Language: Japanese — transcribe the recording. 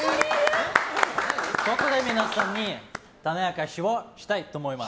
ここで皆さんに種明かしをしたいと思います。